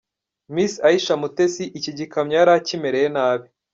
Miss Aisha Mutesi iki gikamyo yari akimereye nabi.